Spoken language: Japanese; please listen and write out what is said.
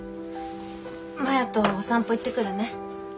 摩耶とお散歩行ってくるね。